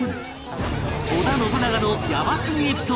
織田信長のやばすぎエピソード